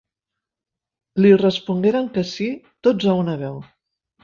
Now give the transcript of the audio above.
Li respongueren que sí tots a una veu.